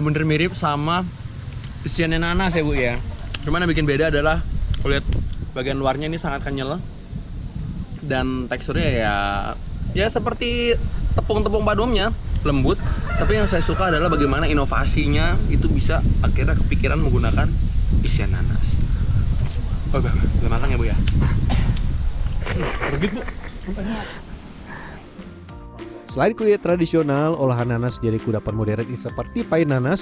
menggunakan isian nanas selain kulit tradisional olahan nanas jadi kuda pemoderan seperti pay nanas